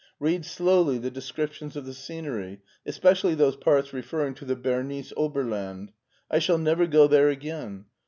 " Read slowly the descriptions of the scenery, especially those parts referring to the Bernese Oberland. I shall never go there again.